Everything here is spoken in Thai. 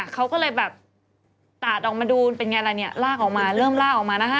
เขาก็เลยตาดออกมาดูเป็นอย่างไรลากออกมาเริ่มลากออกมานะคะ